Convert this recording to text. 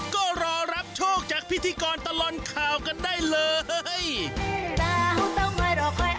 ก็รอรับโชคจากพิธีกรตลอดข่าวกันได้เลย